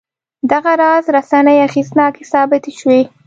دغه راز رسنۍ اغېزناکې ثابتې شوې.